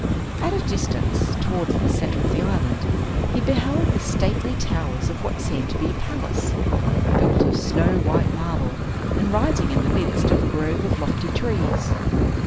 At a distance, towards the center of the island, he beheld the stately towers of what seemed to be a palace, built of snow white marble, and rising in the midst of a grove of lofty trees.